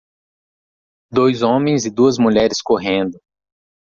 Dois homens e duas mulheres correndo.